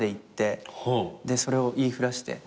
それを言い触らして。